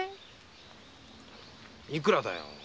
いくらだ。